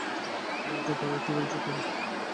কী বলছে তারা?